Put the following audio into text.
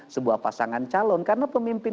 sebuah pasangan calon karena pemimpin